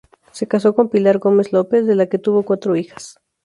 Se casó con Pilar Gómez López, de la que tuvo cuatro hijas.